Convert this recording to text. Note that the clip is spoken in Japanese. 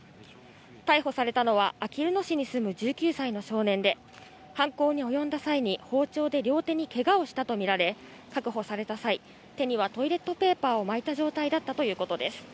逮捕されたのは、あきる野市に住む１９歳の少年で、犯行に及んだ際に包丁で両手にけがをしたと見られ、確保された際、手にはトイレットペーパーを巻いた状態だったということです。